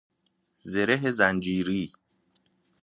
زره زنجیری